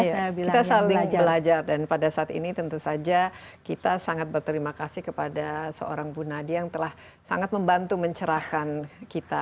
kita saling belajar dan pada saat ini tentu saja kita sangat berterima kasih kepada seorang bu nadia yang telah sangat membantu mencerahkan kita